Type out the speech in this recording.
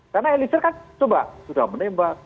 karena elisir kan coba sudah menembak